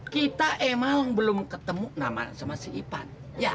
kita emang belum ketemu nama sama si ipan